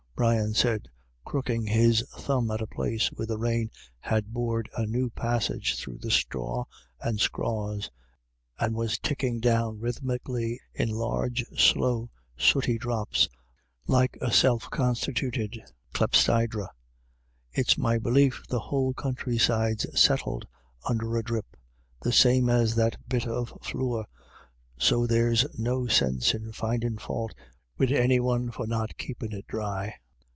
Brian said, crooking his thumb at a place where the rain had bored a new passage through the straw and scraws, and was ticking down rhythmically in large slow sooty drops, like a self constituted clepsydra ;" it's my belief the whole countryside's settled under a dhrip, the same as that bit o' flure, so there's no sinse in findin' fau't wid any one for not keepin' it dhry."